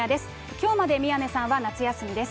きょうまで宮根さんは夏休みです。